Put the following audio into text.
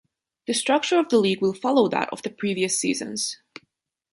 The structure of the league will follow that of the previous season.